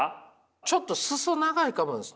ちょっと裾長いかもです。